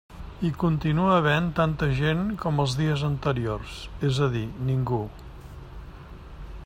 Hi continua havent tanta gent com els dies anteriors, és a dir ningú.